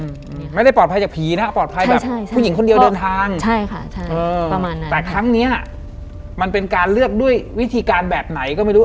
อืมไม่ได้ปลอดภัยจากผีนะปลอดภัยแบบใช่ผู้หญิงคนเดียวเดินทางใช่ค่ะใช่เออประมาณนั้นแต่ครั้งเนี้ยมันเป็นการเลือกด้วยวิธีการแบบไหนก็ไม่รู้